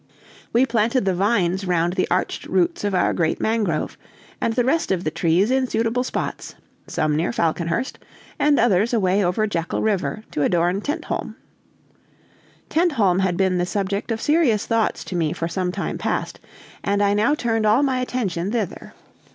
We planted the vines round the arched roots of our great mangrove, and the rest of the trees in suitable spots; some near Falconhurst, and others away over Jackal River, to adorn Tentholm. Tentholm had been the subject of serious thoughts to me for some time past, and I now turned all my attention thither.